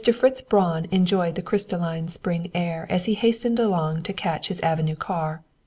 Fritz Braun enjoyed the crystalline spring air as he hastened along to catch his avenue car.